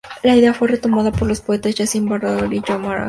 La idea fue retomada por los poetas Jacint Verdaguer y Joan Maragall.